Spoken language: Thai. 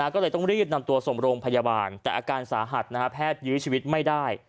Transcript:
ก็เลยต้องรีบนำตัวส่งโรงพยาบาลแต่อาการสาหัสแพทยื้อชีวิตไม่ได้